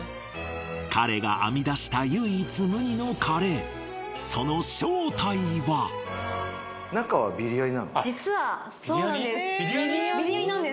彼が編み出した唯一無二のカレーその正体は実はそうなんです